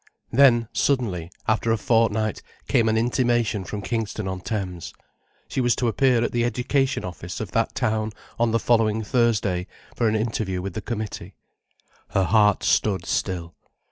Then, suddenly, after a fortnight, came an intimation from Kingston on Thames. She was to appear at the Education Office of that town on the following Thursday, for an interview with the Committee. Her heart stood still.